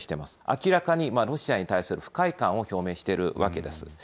明らかにロシアに対する不快感を表明しているわけです。